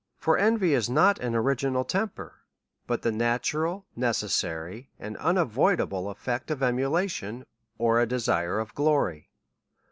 For envy is not an original temper, but the natu ral, necessary, and unavoidable eifect of emulation, or a desire of glory.